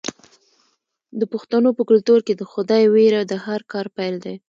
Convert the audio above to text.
د پښتنو په کلتور کې د خدای ویره د هر کار پیل دی.